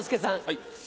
はい。